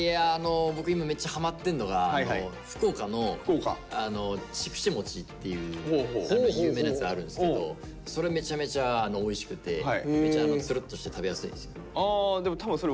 僕今めっちゃハマってるのが有名なやつあるんですけどそれめちゃめちゃおいしくてめちゃツルッとして食べやすいんですよ。